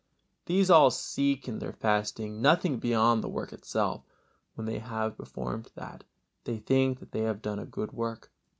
These all seek in their fasting nothing beyond the work itself: when they have performed that, they think they have done a good work.